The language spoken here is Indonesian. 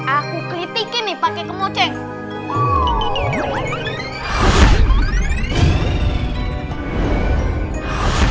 aku kritikin nih pakai kemocek